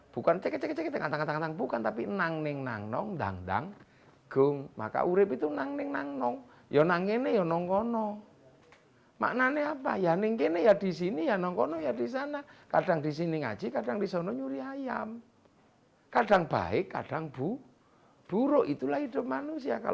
bukan cek cek cek cek tang tang tang tang bukan